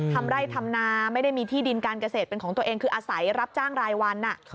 ทำไร่ทำนาไม่ได้มีที่ดินการเกษตรเป็นของตัวเองคืออาศัยรับจ้างรายวัน